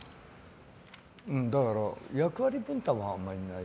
だから、役割分担はあんまりない。